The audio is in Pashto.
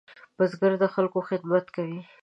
بزګر د خلکو خدمت کوي